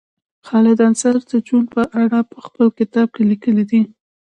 خالد انصاري د جون په اړه په خپل کتاب کې لیکلي دي